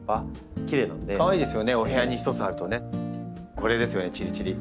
これですよねチリチリ。